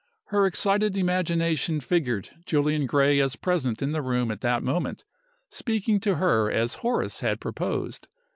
Her excited imagination figured Julian Gray as present in the room at that moment, speaking to her as Horace had proposed.